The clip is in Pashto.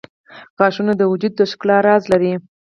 • غاښونه د وجود د ښکلا راز لري.